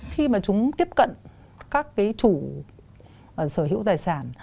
khi chúng tiếp cận các chủ sở hữu tài sản